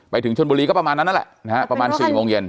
ถึงชนบุรีก็ประมาณนั้นนั่นแหละนะฮะประมาณ๔โมงเย็น